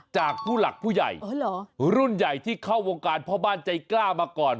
จากผู้หลักผู้ใหญ่รุ่นใหญ่ที่เข้าวงการพ่อบ้านใจกล้ามาก่อน